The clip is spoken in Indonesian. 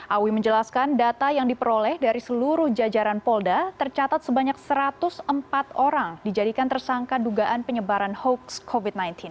awi menjelaskan data yang diperoleh dari seluruh jajaran polda tercatat sebanyak satu ratus empat orang dijadikan tersangka dugaan penyebaran hoax covid sembilan belas